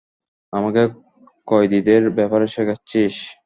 আমাকে কয়েদিদের ব্যাপারে শেখাচ্ছিস?